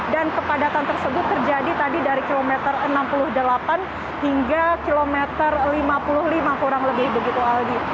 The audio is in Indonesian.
dan kepadatan tersebut terjadi tadi dari kilometer enam puluh delapan hingga kilometer lima puluh lima kurang lebih begitu aldi